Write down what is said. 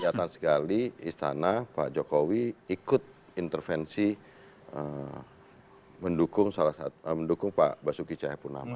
jadi itu terjadi karena perusahaan dari jokowi ikut intervensi mendukung pak basuki cahayapunama